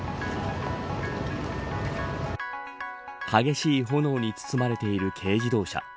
激しい炎に包まれている軽自動車。